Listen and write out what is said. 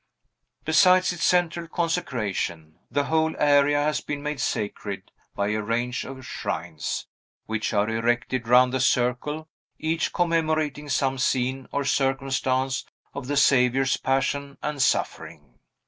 Besides its central consecration, the whole area has been made sacred by a range of shrines, which are erected round the circle, each commemorating some scene or circumstance of the Saviour's passion and suffering.